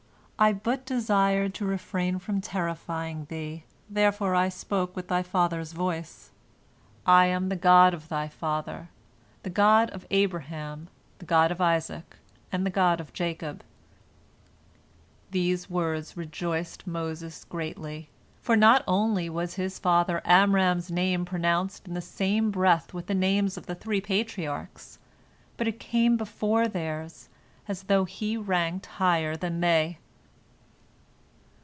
I but desired to refrain from terrifying thee, therefore I spoke with thy father's voice. I am the God of thy father, the God of Abraham, the God of Isaac, and the God of Jacob." These words rejoiced Moses greatly, for not only was his father Amram's name pronounced in the same breath with the names of the three Patriarchs, but it came before theirs, as though he ranked higher than they.